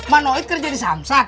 manoid kerja di samsat